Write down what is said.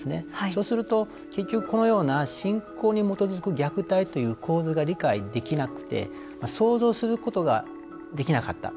そうすると結局このような、信仰に基づく虐待という構図が理解できなくて想像することができなかった。